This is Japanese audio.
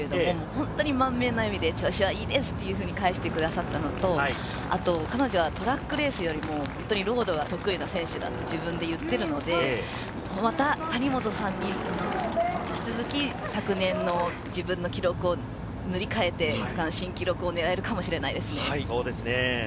本当に満面の笑みで調子はいいですと返してくださったのと、彼女はトラックレースよりもロードが得意な選手だと自分で言っているので、また、谷本さんに引き続き昨年の自分の記録を塗り替えて、区間新記録を狙えるかもしれないですね。